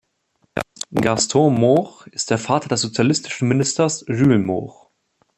Gaston Moch ist der Vater des sozialistischen Ministers Jules Moch.